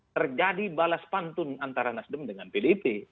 terjadi balas pantun antara nasdem dengan pdip